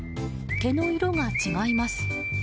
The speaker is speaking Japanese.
毛の色が違います。